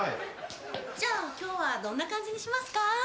じゃあ今日はどんな感じにしますか？